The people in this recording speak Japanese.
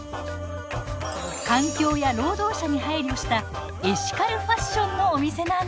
環境や労働者に配慮したエシカルファッションのお店なんです。